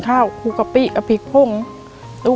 ตัวมาเขาจะได้มาเป็นเพื่อนเล่นกับหนูค่ะ